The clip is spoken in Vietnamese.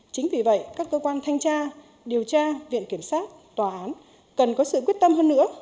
chính vì vậy các cơ quan thanh tra điều tra viện kiểm sát tòa án cần có sự quyết tâm hơn nữa